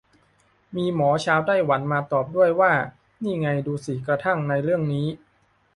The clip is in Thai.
มีหมอชาวไต้หวันมาตอบด้วยว่า นี่ไงดูสิ กระทั่งในเรื่องนี้